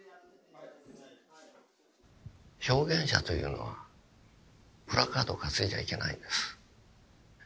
表現者というのはプラカードを担いじゃいけないんです。